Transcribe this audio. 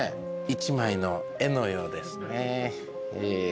一枚の絵のようですね。